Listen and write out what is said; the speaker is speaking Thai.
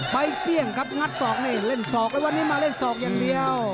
ไปเปรี้ยงครับงัดสอกเล่นสอกวันนี้มาเล่นสอกอย่างเดียว